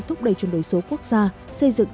thúc đẩy truyền đổi số quốc gia xây dựng